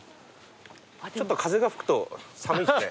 ちょっと風が吹くと寒いですね。